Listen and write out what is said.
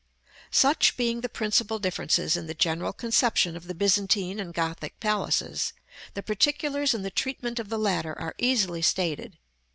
§ IX. Such being the principal differences in the general conception of the Byzantine and Gothic palaces, the particulars in the treatment of the latter are easily stated.